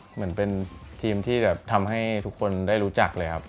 เหมือนเป็นทีมที่แบบทำให้ทุกคนได้รู้จักเลยครับ